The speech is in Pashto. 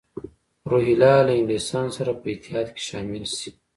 روهیله له انګلیسیانو سره په اتحاد کې شامل شي.